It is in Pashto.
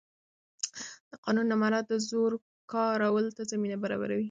د قانون نه مراعت د زور کارولو ته زمینه برابروي